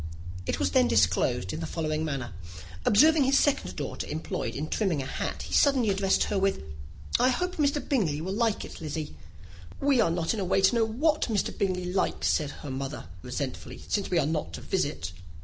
It was then disclosed in the following manner. Observing his second daughter employed in trimming a hat, he suddenly addressed her with, "I hope Mr. Bingley will like it, Lizzy." "We are not in a way to know what Mr. Bingley likes," said her mother, resentfully, "since we are not to visit."